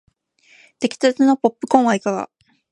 できたてのポップコーンはいかが